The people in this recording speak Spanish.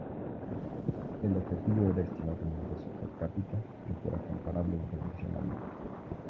El objetivo era estimar un ingreso "per cápita" que fuera comparable internacionalmente.